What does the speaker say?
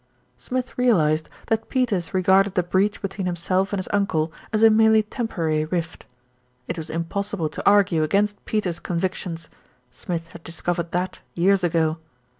Smith realised that Peters regarded the breach be tween himself and his uncle as a merely temporary rift. It was impossible to argue against Peters' convic tions; Smith had discovered that years ago.